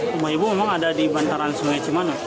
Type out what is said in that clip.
rumah ibu memang ada di bantaran sungai cimanuk